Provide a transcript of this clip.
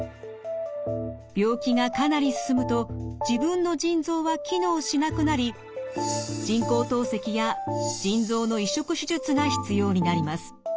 病気がかなり進むと自分の腎臓は機能しなくなり人工透析や腎臓の移植手術が必要になります。